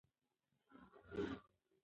ډاکټران باید د معیارونو سره سم عمل وکړي.